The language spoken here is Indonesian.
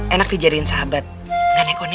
enak dijadikan sahabat gak neko neko dia